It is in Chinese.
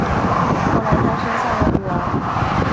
后来他生下了女儿